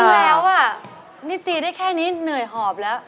แล้วนี่ตีได้แค่นี้เหนื่อยหอบแล้ว